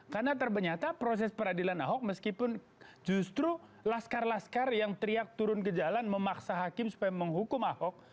karena terbenyata proses peradilan ahok meskipun justru laskar laskar yang teriak turun ke jalan memaksa hakim supaya menghukum ahok